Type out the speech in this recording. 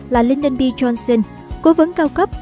là lyndon b johnson cố vấn cao cấp